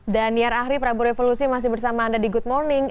daniar ahri prabu revolusi masih bersama anda di good morning